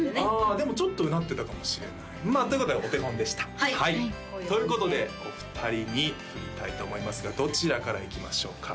あでもちょっと唸ってたかもしれないということでお手本でしたはいということでお二人に振りたいと思いますがどちらからいきましょうか？